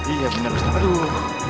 iya bener ustadz aduh